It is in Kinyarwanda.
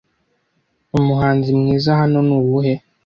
Umuhanzi mwiza hano ni uwuhe